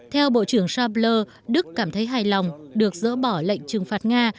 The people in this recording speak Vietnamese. theo bộ trưởng shapler đức cảm thấy hài lòng được dỡ bỏ lệnh trừng phạt nga